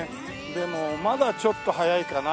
でもまだちょっと早いかな。